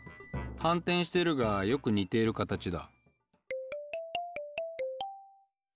反転してるがよく似ている形だ。